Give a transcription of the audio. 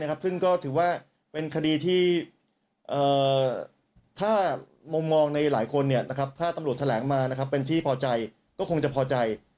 ซึ่งก็ถือว่าเป็นคดีที่ถ้ามุมมองในหลายคนถ้าตำรวจแถลงมาเป็นที่พอใจก็คงจะพอใจ